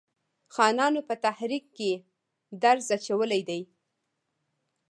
خانانو په تحریک کې درز اچولی دی.